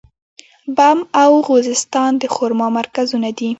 بم او خوزستان د خرما مرکزونه دي.